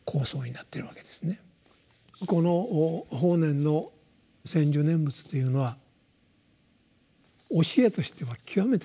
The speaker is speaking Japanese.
この法然の専修念仏というのは教えとしては極めて簡単ですね。